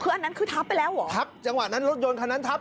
คืออันนั้นคือทับไปแล้วเหรอทับจังหวะนั้นรถยนต์คันนั้นทับ